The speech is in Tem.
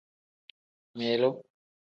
Milu.